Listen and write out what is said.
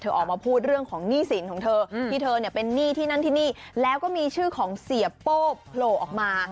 ออกมาพูดเรื่องของหนี้สินของเธอที่เธอเนี่ยเป็นหนี้ที่นั่นที่นี่แล้วก็มีชื่อของเสียโป้โผล่ออกมา